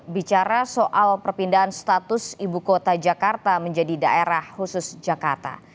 bicara soal perpindahan status ibu kota jakarta menjadi daerah khusus jakarta